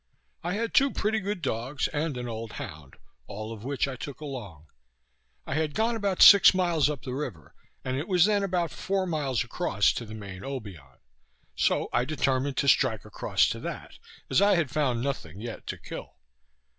I had two pretty good dogs, and an old hound, all of which I took along. I had gone about six miles up the river, and it was then about four miles across to the main Obion; so I determined to strike across to that, as I had found nothing yet to kill.